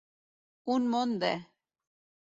Un món de.